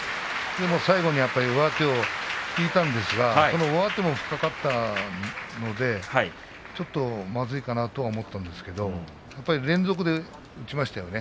最後に上手を引いたんですがその上手も深かったのでちょっとまずいかなと思ったんですけど連続で打ちましたよね。